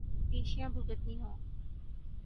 پیشیاں بھگتنی ہوں۔